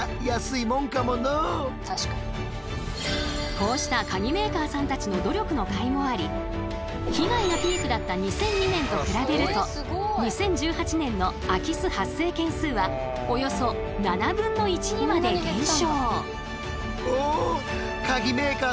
こうしたカギメーカーさんたちの努力のかいもあり被害がピークだった２００２年と比べると２０１８年の空き巣発生件数はおよそ７分の１にまで減少。